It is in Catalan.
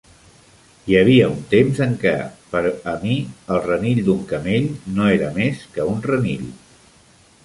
Hi havia un temps en què, per a mi, el renill d'un camell no era més que un renill.